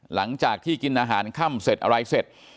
หลังจากที่กินอาหารค่ำเสร็จอะไรเสร็จ